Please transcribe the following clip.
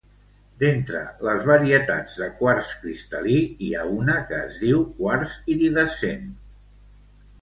D'entre les varietats de quars cristal·lí hi ha una que es diu "quars iridescent".